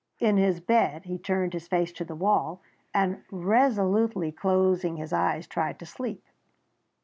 In his bed, he turned his face to the wall and resolutely closing his eyes tried to sleep.